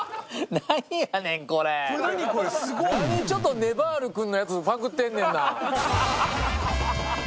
何ちょっとねばる君のやつパクってんねんな。